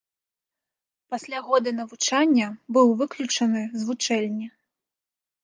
Пасля года навучання быў выключаны з вучэльні.